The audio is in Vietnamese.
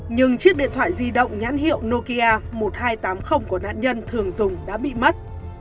nhưng chiếc điện thoại di động nhãn hiệu nokia một nghìn hai trăm tám mươi của nạn nhân thường dùng đã bị mất